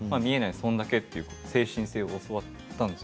そんだけ。」という精神性を教わったんです。